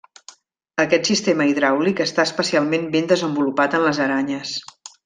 Aquest sistema hidràulic està especialment ben desenvolupat en les aranyes.